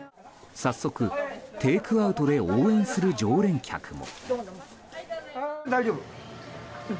早速、テイクアウトで応援する常連客も。